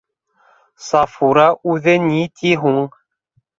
— Сафура үҙе ни ти һуң?